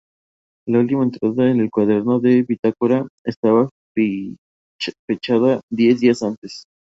La última entrada en el cuaderno de bitácora estaba fechada diez días antes.